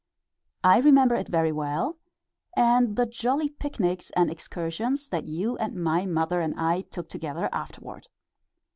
I remember it very well, and the jolly picnics and excursions that you and my mother and I took together afterward.